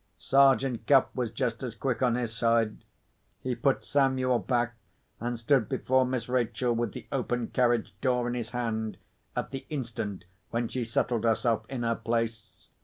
Sergeant Cuff was just as quick on his side. He put Samuel back, and stood before Miss Rachel, with the open carriage door in his hand, at the instant when she settled herself in her place.